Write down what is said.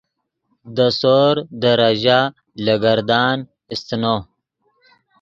دے سور دے ریژہ لگردان سیتنو